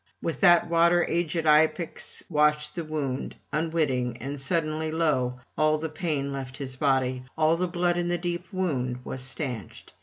With that water aged Iapix washed the wound, unwitting; and suddenly, lo! all the pain left his body, all the blood in the deep wound was stanched.